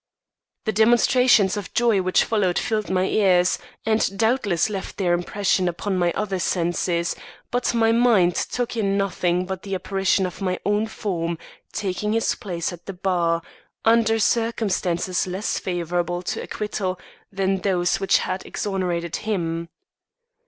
The demonstrations of joy which followed filled my ears, and doubtless left their impression upon my other senses; but my mind took in nothing but the apparition of my own form taking his place at the bar, under circumstances less favourable to acquittal than those which had exonerated him.